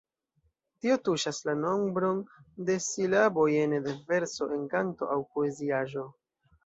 Tio tuŝas la nombron de silaboj ene de verso en kanto aŭ poeziaĵo.